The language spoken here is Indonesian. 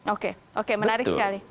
oke menarik sekali